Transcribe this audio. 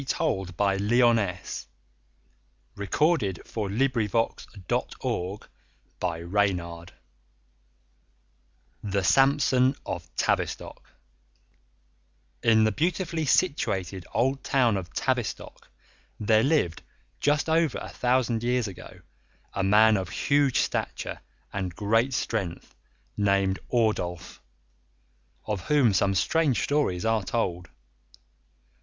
[Illustration: Buckland Abbey] THE SAMSON OF TAVISTOCK In the beautifully situated old town of Tavistock there lived, just over a thousand years ago, a man of huge stature and great strength named Ordulph, of whom some strange stories are told.